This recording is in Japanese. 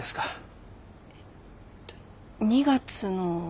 えっと２月の。